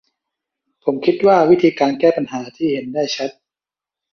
ผมคิดว่าวิธีการแก้ปัญหาที่เห็นได้ชัด